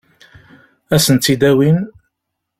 Ad sen-tt-id-awin?